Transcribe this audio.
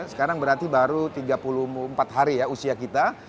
sekarang berarti baru tiga puluh empat hari ya usia kita